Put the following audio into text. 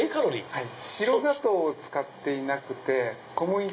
はい。